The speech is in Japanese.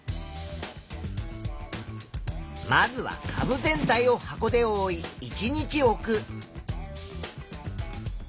まずはかぶ全体を箱でおおい１日置く。